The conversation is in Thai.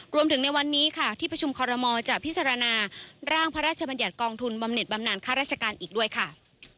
ในวันนี้ค่ะที่ประชุมคอรมอลจะพิจารณาร่างพระราชบัญญัติกองทุนบำเน็ตบำนานค่าราชการอีกด้วยค่ะ